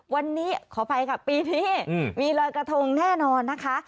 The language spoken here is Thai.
วันนี้ขออภัยค่ะปีนี้มีรอยกระทงแน่นอนนะคะ